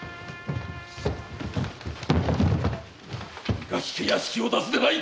生かして屋敷を出すでない！